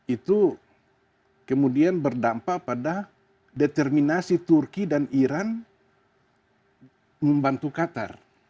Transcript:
itu kemudian berdampak pada determinasi turki dan iran membantu qatar